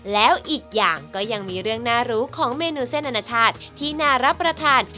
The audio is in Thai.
แล้วอีกอย่างก็ยังมีเรื่องน่ารู้ของเมนูเส้นอนาชาติที่น่ารับประทาน